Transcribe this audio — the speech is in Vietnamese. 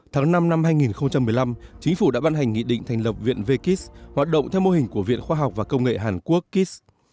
tháng năm năm hai nghìn một mươi năm chính phủ đã ban hành nghị định thành lập viện vkis hoạt động theo mô hình của viện khoa học và công nghệ hàn quốc kis